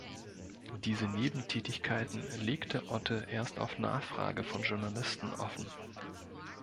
Diese Nebentätigkeiten legte Otte erst auf Nachfrage von Journalisten offen.